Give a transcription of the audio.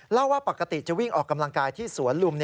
เล่าว่าปกติจะวิ่งออกกำลังกายที่สวนลุม